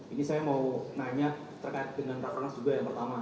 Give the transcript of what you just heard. ini saya mau nanya terkait dengan rakernas juga yang pertama